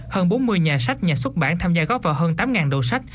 hơn bốn mươi nhà sách nhà xuất bản tham gia góp vào hơn tám đầu sách